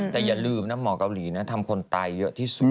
แต่อย่าลืมนะหมอเกาหลีนะทำคนตายเยอะที่สุด